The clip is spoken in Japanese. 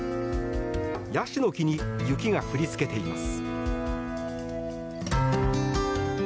ヤシの木に雪が降りつけています。